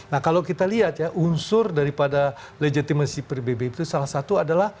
nah kalau kita lihat ya unsur daripada legitimasi pbb itu salah satu adalah